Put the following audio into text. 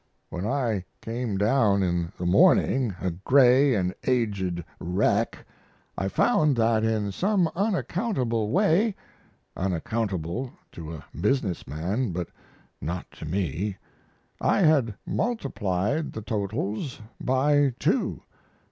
When I came down in the morning, a gray and aged wreck, I found that in some unaccountable way (unaccountable to a business man, but not to me) I had multiplied the totals by two.